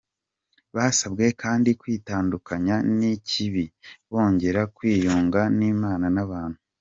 Basabwe kandi kwitandukanya n’ikibi, bongera kwiyunga n’Imana n’abantu.